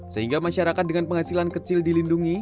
sehingga masyarakat dengan penghasilan kecil dilindungi